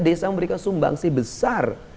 desa memberikan sumbangsi besar